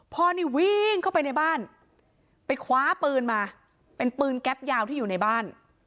พ่อนี่วิ่งเข้าไปในบ้านไปคว้าปืนมาเป็นปืนแก๊ปยาวที่อยู่ในบ้าน